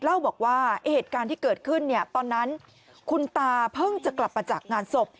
เล่าบอกว่าเหตุการณ์ที่เกิดขึ้นตอนนั้นคุณตาเพิ่งจะกลับมาจากงานศพ